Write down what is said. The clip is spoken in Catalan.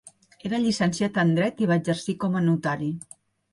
Era llicenciat en dret i va exercir com a notari.